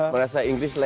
merasa inggris lagi